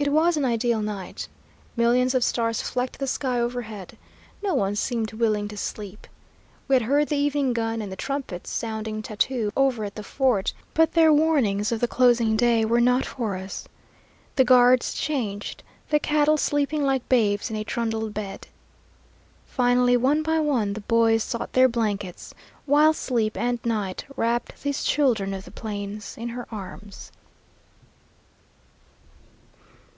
It was an ideal night. Millions of stars flecked the sky overhead. No one seemed willing to sleep. We had heard the evening gun and the trumpets sounding tattoo over at the fort, but their warnings of the closing day were not for us. The guards changed, the cattle sleeping like babes in a trundle bed. Finally one by one the boys sought their blankets, while sleep and night wrapped these children of the plains in her arms.